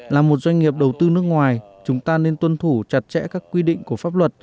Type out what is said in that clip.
là một doanh nghiệp đầu tư nước ngoài chúng ta nên tuân thủ chặt chẽ các quy định của pháp luật